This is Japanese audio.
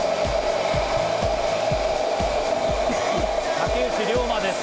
竹内涼真です。